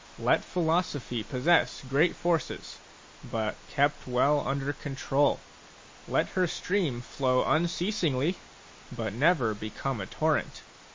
Let philosophy possess great forces, but kept well under control ; let her stream flow un ceasingly, but never become a torrent.